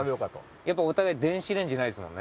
やっぱお互い電子レンジないですもんね。